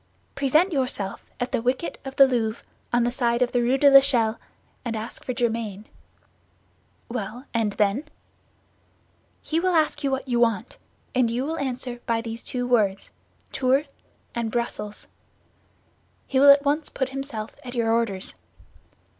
"Present yourself at the wicket of the Louvre, on the side of the Rue de l'Echelle, and ask for Germain." "Well, and then?" "He will ask you what you want, and you will answer by these two words, 'Tours' and 'Bruxelles.' He will at once put himself at your orders."